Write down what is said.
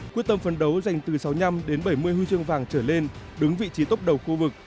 quyết tâm phấn đấu dành từ sáu mươi năm đến bảy mươi huy chương vàng trở lên đứng vị trí tốc đầu khu vực